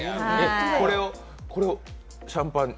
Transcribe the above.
これをシャンパンに？